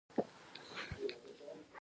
• د شپې هوا له ورځې ارام وي.